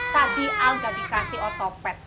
tadi al nggak dikasih otopet